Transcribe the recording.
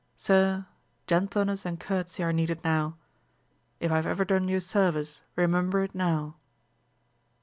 Sir, gentleness and courtesy are needed now ; if I have ever done you service, remember it now.